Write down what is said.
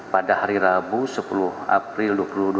pada hari rabu sepuluh april dua ribu dua puluh